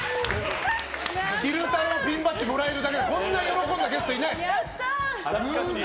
昼太郎ピンバッジもらえるだけでこんなに喜んだゲストいない！